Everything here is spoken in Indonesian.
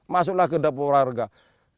masuklah ke dapur warga